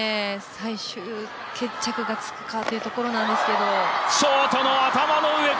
最終決着がつくかというところですが。